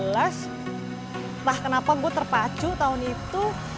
entah kenapa gue terpacu tahun itu